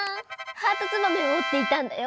ハートツバメをおっていたんだよ。